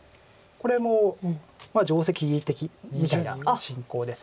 これも定石的みたいな進行です。